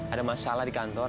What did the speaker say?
ada masalah di kantor